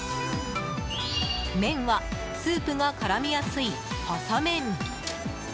麺は、スープが絡みやすい細麺。